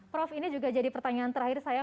prof ini juga jadi pertanyaan terakhir saya